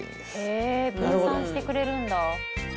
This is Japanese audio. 「へえ分散してくれるんだ」